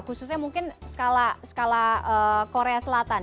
khususnya mungkin skala korea selatan